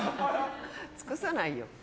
尽くさないよ。